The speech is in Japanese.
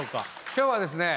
今日はですね